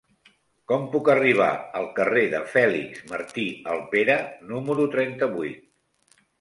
Com puc arribar al carrer de Fèlix Martí Alpera número trenta-vuit?